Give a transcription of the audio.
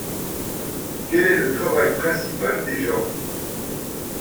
Quel est le travail principal des gens ?